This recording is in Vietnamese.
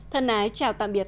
thân ái chào tạm biệt